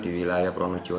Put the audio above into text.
di wilayah prono jawa